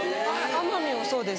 奄美もそうです。